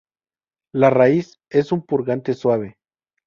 La raíz es un purgante suave.